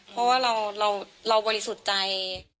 เพราะว่าเราบริสุทธิ์ใจ